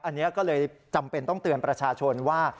อันนี้ก็เลยจำเป็นต้องเตือนประชาชนว่า